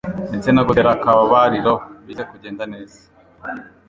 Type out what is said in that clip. ndetse no gutera akabariro bize kugenda neza,